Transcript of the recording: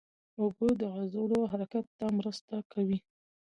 اوبه د عضلو حرکت ته مرسته کوي